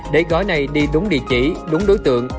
để gói này đi đúng địa chỉ đúng đối tượng